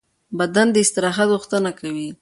بدن د استراحت غوښتنه کوي.